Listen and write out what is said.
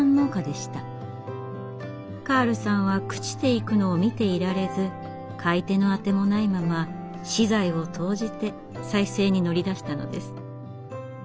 カールさんは朽ちていくのを見ていられず買い手の当てもないまま私財を投じて再生に乗り出したのです。